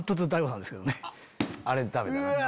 あれで食べたら。